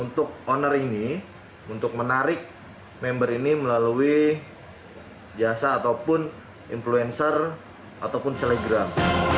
untuk owner ini untuk menarik member ini melalui jasa ataupun influencer ataupun selegram